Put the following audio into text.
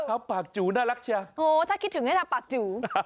ครับปากจูน่ารักเชียบโอ้ถ้าคิดถึงให้จ้าปากจุ